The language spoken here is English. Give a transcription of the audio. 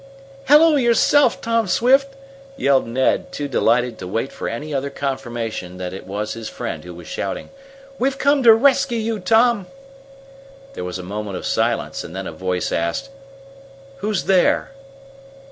"Hello yourself, Tom Swift!" yelled Ned, too delighted to wait for any other confirmation that it was his friend who was shouting. "We've come to rescue you, Tom!" There was a moment of silence, and then a voice asked: "Who is there?"